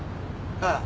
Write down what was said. ああ。